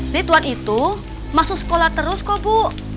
rituan itu masuk sekolah terus kok bu